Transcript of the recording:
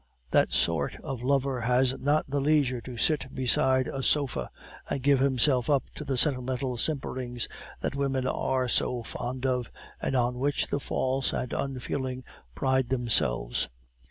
That sort of lover has not the leisure to sit beside a sofa and give himself up to the sentimental simperings that women are so fond of, and on which the false and unfeeling pride themselves.